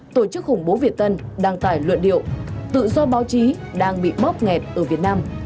tổ chức khủng bố việt tân đăng tải luận điệu tự do báo chí đang bị bóp nghẹt ở việt nam